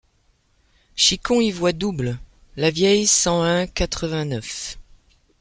Chiquon y veoit double Lavieille cent un quatre-vingt-neuf.